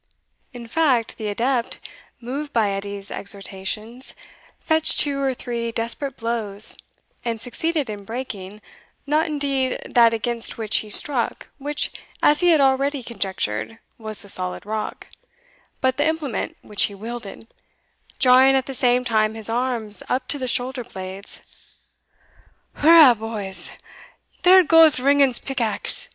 In fact, the adept, moved by Edie's exhortations, fetched two or three desperate blows, and succeeded in breaking, not indeed that against which he struck, which, as he had already conjectured, was the solid rock, but the implement which he wielded, jarring at the same time his arms up to the shoulder blades. "Hurra, boys! there goes Ringan's pick axe!"